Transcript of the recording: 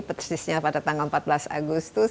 persisnya pada tanggal empat belas agustus